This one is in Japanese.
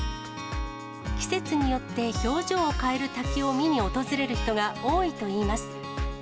季節によって表情を変える滝を見に訪れる人が多いといいます。